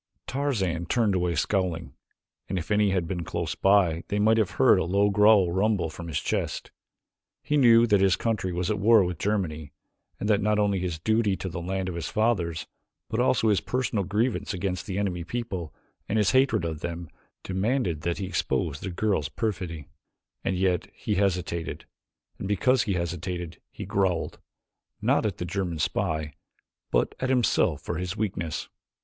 Tarzan turned away scowling, and if any had been close by they might have heard a low growl rumble from his chest. He knew that his country was at war with Germany and that not only his duty to the land of his fathers, but also his personal grievance against the enemy people and his hatred of them, demanded that he expose the girl's perfidy, and yet he hesitated, and because he hesitated he growled not at the German spy but at himself for his weakness.